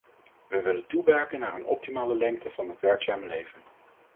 We willen toewerken naar een optimale lengte van het werkzame leven.